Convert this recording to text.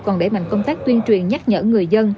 còn để mạnh công tác tuyên truyền nhắc nhở người dân